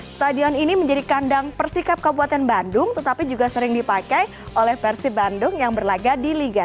stadion ini menjadi kandang persikap kabupaten bandung tetapi juga sering dipakai oleh persib bandung yang berlaga di liga satu